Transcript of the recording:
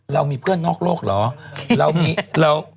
เรามีเพื่อนนอกโลกเหรอ